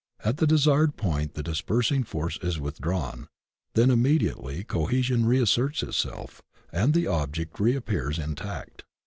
At the desired point the dispersing force is withdrawn, when imme diately cohesion reasserts itself and the object reap pears intact.